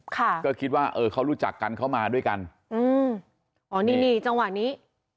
ค่ะก็คิดว่าเออเขารู้จักกันเขามาด้วยกันอืมอ๋อนี่นี่จังหวะนี้